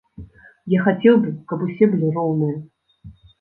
Я хацеў бы, каб усе былі роўныя.